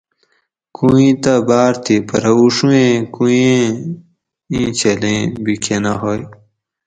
کویٔیں تہ باۤر تھی پرہ اُڛویٔیں کویٔیں ایں چھلیں بی کۤھنہۤ ھوئ